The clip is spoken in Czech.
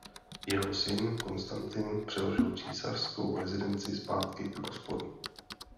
Jeho syn Konstantin přeložil císařskou rezidenci zpátky k Bosporu.